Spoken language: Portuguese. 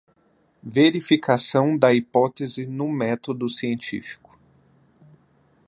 Verificação da hipótese no método científico